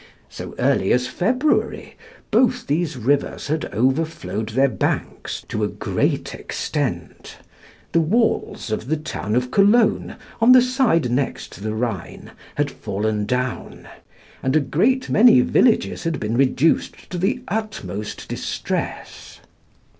So early as February, both these rivers had overflowed their banks to a great extent; the walls of the town of Cologne, on the side next the Rhine, had fallen down, and a great many villages had been reduced to the utmost distress.